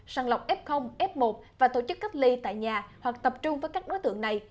sàng lọc f f một và tổ chức cách ly tại nhà hoặc tập trung với các đối tượng này